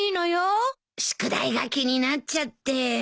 宿題が気になっちゃって。